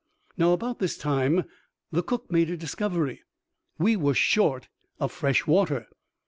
Now, about this time the cook made a discovery. We were short of fresh water.